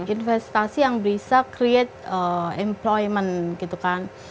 investasi yang bisa create employment gitu kan